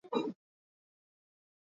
Mungu asifiwe kabisa.